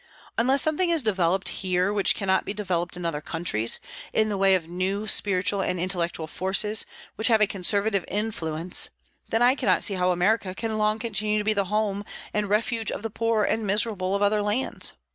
Unless something is developed here which cannot be developed in other countries, in the way of new spiritual and intellectual forces, which have a conservative influence, then I cannot see how America can long continue to be the home and refuge of the poor and miserable of other lands.